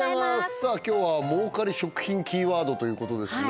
さあ今日は儲かり食品キーワードということですね